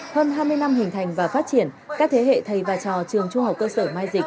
hơn hai mươi năm hình thành và phát triển các thế hệ thầy và trò trường trung học cơ sở mai dịch